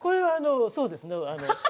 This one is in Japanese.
そうですね。